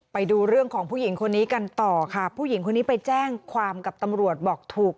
ไปดูเรื่องของผู้หญิงคนนี้กันต่อค่ะผู้หญิงคนนี้ไปแจ้งความกับตำรวจบอกถูก